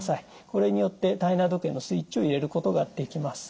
これによって体内時計のスイッチを入れることができます。